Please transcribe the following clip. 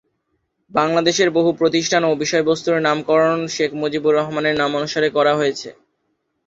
বাংলাদেশের বহু প্রতিষ্ঠান ও বিষয়বস্তুর নামকরণ শেখ মুজিবুর রহমানের নামানুসারে করা হয়েছে।